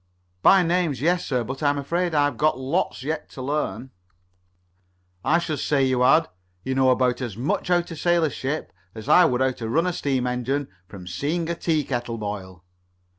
"By names, yes, sir. But I'm afraid I've got lots yet to learn." "I should say you had. You know about as much how to sail a ship as I would how to run a steam engine from seeing a tea kettle boil."